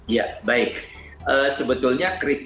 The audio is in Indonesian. ya baik sebetulnya kriteria